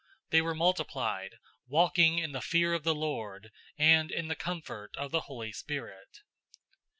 They were multiplied, walking in the fear of the Lord and in the comfort of the Holy Spirit.